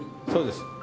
そうです。